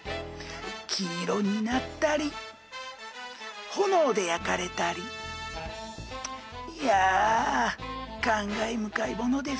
黄色になったり炎で焼かれたりいや感慨深いものです。